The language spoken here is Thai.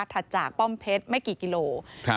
ถัดจากป้อมเพชรไม่กี่กิโลกรัม